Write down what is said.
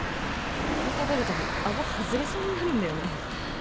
これ食べるたび顎外れそうになるんだよね。